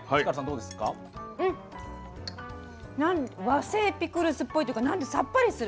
和製ピクルスっぽいっていうかさっぱりする。